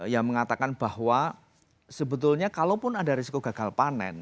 yang mengatakan bahwa sebetulnya kalaupun ada risiko gagal panen